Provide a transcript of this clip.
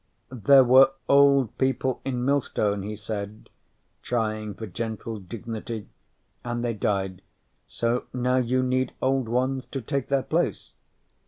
"There were old people in Millstone," he said, trying for gentle dignity, "and they died. So now you need old ones to take their place."